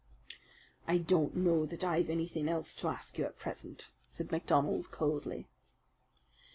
"I don't know that I've anything else to ask you at present," said MacDonald, coldly.